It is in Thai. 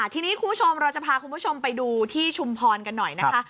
ทีนี้คุณผู้ชมเราจะพาคุณผู้ชมไปดูที่ชุมพรกันหน่อยนะคะ